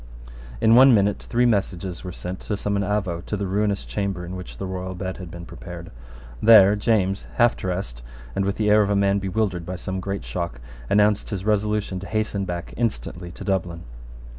In one minute three messages were sent to summon Avaux to the ruinous chamber in which the royal bed had been prepared. There James, half dressed, and with the air of a man bewildered by some great shock, announced his resolution to hasten back instantly to Dublin.